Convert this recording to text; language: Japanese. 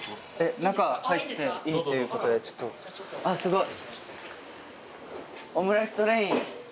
中入っていいっていうことであっすごい。